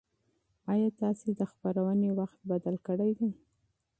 ایا تاسي د خپرونې وخت بدل کړی دی؟